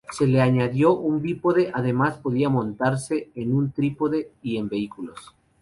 Se le añadió un bípode, además podía montarse en un trípode y en vehículos.